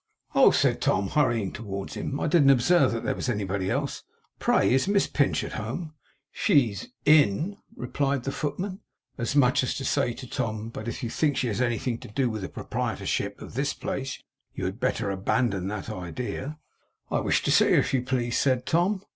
'Oh!' said Tom, hurrying towards him. 'I didn't observe that there was anybody else. Pray is Miss Pinch at home?' 'She's IN,' replied the footman. As much as to say to Tom: 'But if you think she has anything to do with the proprietorship of this place you had better abandon that idea.' 'I wish to see her, if you please,' said Tom.